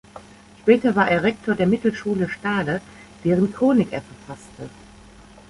Später war er Rektor der Mittelschule Stade, deren Chronik er verfasste.